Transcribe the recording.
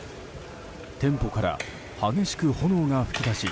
店舗から激しく炎が噴き出し